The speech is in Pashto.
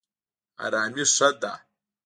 ارامي ښه ده.